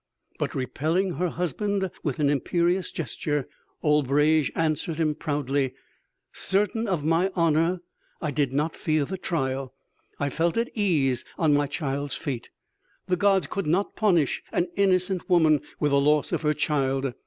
'" "But repelling her husband with an imperious gesture, Albrege answered him proudly: 'Certain of my honor, I did not fear the trial.... I felt at ease on my child's fate. The gods could not punish an innocent woman with the loss of her child....